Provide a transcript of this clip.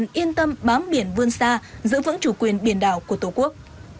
ngư dân yên tâm bám biển vươn xa giữ vững chủ quyền biển đảo của tổ quốc